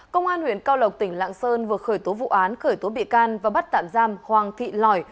công an huyện cao lộc tỉnh lạng sơn vừa khởi tố vụ án khởi tố bị can và bắt tạm giam hoàng thị lỏi